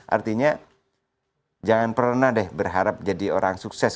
artinya jangan pernah deh berharap jadi orang sukses